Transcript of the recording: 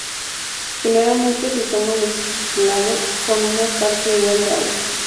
Generalmente se toma mezclado con una parte igual de agua.